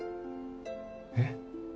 えっ？